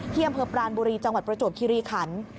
ที่อำเภอปรานบุรีจังหวัดประจวบคิริขัน